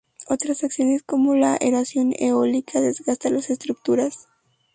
Otras acciones como la erosión eólica desgasta las estructuras.